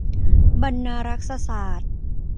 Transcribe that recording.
บรรณารักษศาสตร์